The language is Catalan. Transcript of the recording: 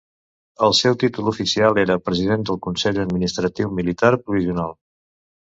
El seu títol oficial era President del Consell Administratiu Militar Provisional.